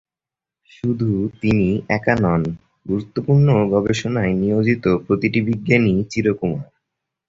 শুধু তিনি একা নন গুরুত্বপূর্ণ গবেষণায় নিয়োজিত প্রতিটি বিজ্ঞানীই চিরকুমার।